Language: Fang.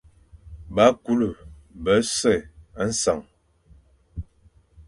Ba kule bo bese nseñ,